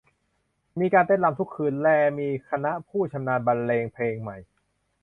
มีการเต้นรำทุกคืน แลมีคณะผู้ชำนาญบรรเลงเพลงใหม่